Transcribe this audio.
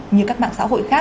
như các mạng xã hội khác